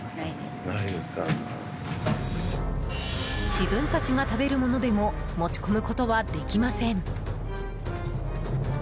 自分たちが食べるものでも持ち込むことはできません。